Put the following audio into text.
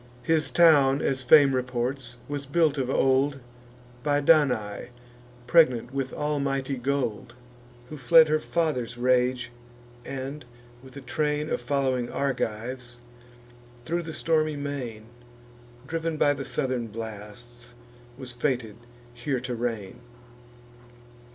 His town, as fame reports, was built of old By Danae, pregnant with almighty gold, Who fled her father's rage, and, with a train Of following Argives, thro' the stormy main, Driv'n by the southern blasts, was fated here to reign.